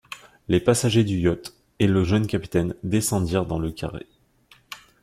Les passagers du yacht et le jeune capitaine descendirent dans le carré.